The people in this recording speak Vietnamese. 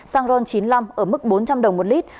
xăng ron chín mươi năm ở mức bốn trăm linh đồng một lít